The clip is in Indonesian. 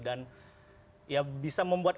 dan ya bisa membuat